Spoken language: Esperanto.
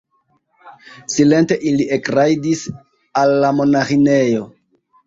Silente ili ekrajdis al la monaĥinejo.